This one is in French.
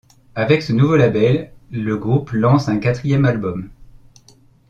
Avec ce nouveau label, le groupe lance un quatrième album, '.